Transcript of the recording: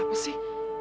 lu kenapa sih